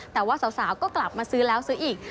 แต่ว่าสาวก็กลับมาซื้อแล้วซื้ออีก